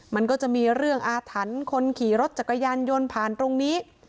มันก็จะมีเรื่องอาถรรพ์คนขี่รถจักรยานยนต์ผ่านตรงนี้